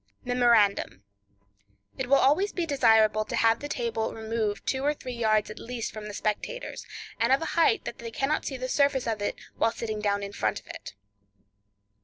Memorandum.—It will be always desirable to have the table removed two or three yards at least from the spectators, and of a height that they cannot see the surface of it while sitting down in front of it.